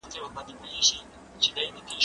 هغه وويل چي لوبي مهمي دي!.